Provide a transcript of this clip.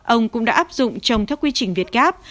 ông cũng đã áp dụng trồng theo quy trình việt gáp